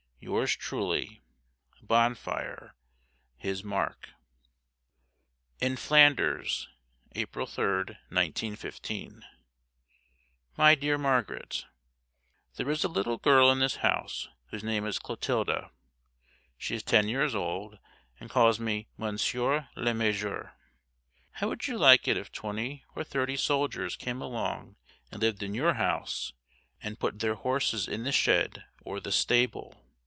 Yours truly, BONFIRE His * Mark. In Flanders, April 3rd, 1915. My dear Margaret: There is a little girl in this house whose name is Clothilde. She is ten years old, and calls me "Monsieur le Major". How would you like it if twenty or thirty soldiers came along and lived in your house and put their horses in the shed or the stable?